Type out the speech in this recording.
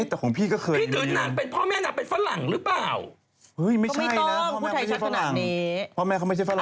เค้าเป็นลวกครึ่งเค้าเป็นลวกพระแม่ฝรั่งไม่ใช่หรอ